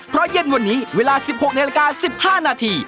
เพราะเย็นวันนี้เวลา๑๖นาฬิกา๑๕นาที